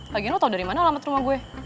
lagian lo tau dari mana alamat rumah gue